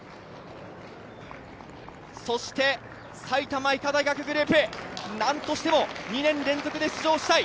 埼玉医科大学グループ、なんとしても２年連続で出場したい。